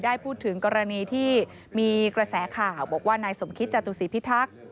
ได้พูดถึงกรณีที่มีกระแสข่าวบอกว่านายสมคิตจตุศีพิทักษ์